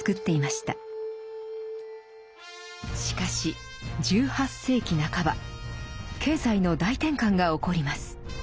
しかし１８世紀半ば経済の大転換が起こります。